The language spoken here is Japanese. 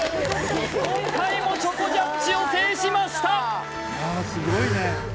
今回もチョコジャッジを制しました！